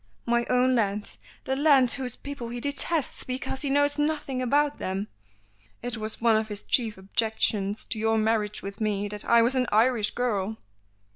My own land; the land whose people he detests because he knows nothing about them. It was one of his chief objections to your marriage with me, that I was an Irish girl!"